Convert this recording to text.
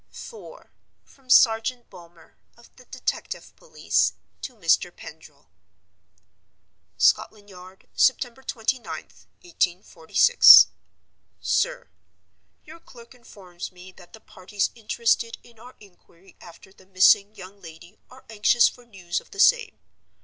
IV. From Sergeant Bulmer (of the Detective Police) to Mr. Pendril. "Scotland Yard, "September 29th, 1846. "SIR,— "Your clerk informs me that the parties interested in our inquiry after the missing young lady are anxious for news of the same.